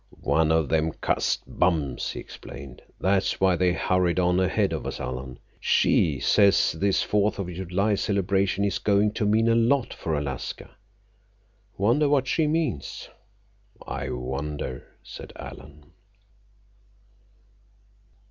"One of them cussed bums," he explained. "That's why they hurried on ahead of us, Alan. She says this Fourth of July celebration is going to mean a lot for Alaska. Wonder what she means?" "I wonder," said Alan.